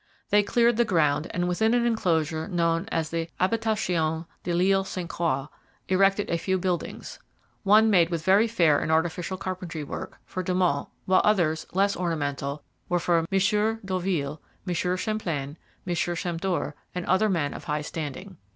They cleared the ground; and, within an enclosure known as the Habitation de l'Isle Saincte Croix, erected a few buildings 'one made with very fair and artificial carpentry work' for De Monts, while others, less ornamental, were for 'Monsieur d'Orville, Monsieur Champlein, Monsieur Champdore, and other men of high standing.'